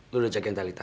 lu udah jagain talitha